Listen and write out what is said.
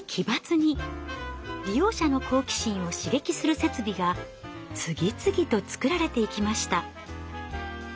利用者の好奇心を刺激する設備が次々と作られていきました。